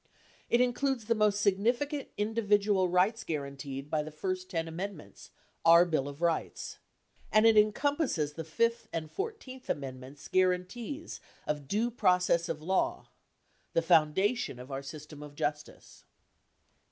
It includes the most significant individual rights guaran teed by the first 10 amendments, our Bill of Bights. And it encom passes the Fifth and 14th amendments' guarantees of due process of law, the foundation of our system of justice.